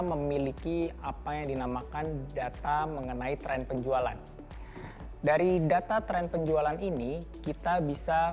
memiliki apa yang dinamakan data mengenai tren penjualan dari data tren penjualan ini kita bisa